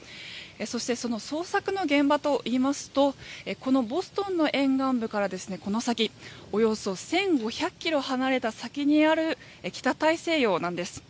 そして、その捜索の現場といいますとこのボストンの沿岸部からおよそ１５００ｋｍ離れた先にある北大西洋なんです。